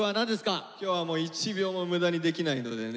今日はもう１秒も無駄にできないのでね